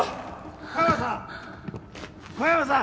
小山さん小山さん